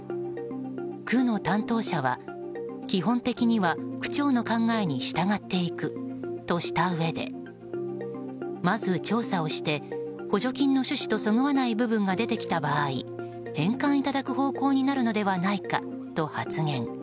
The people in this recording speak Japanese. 区の担当者は基本的には区長の考えに従っていくとしたうえでまず調査をして補助金の趣旨とそぐわない部分が出てきた場合返金いただく方向になるのではないかと発言。